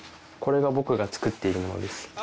これが僕が作っているものです。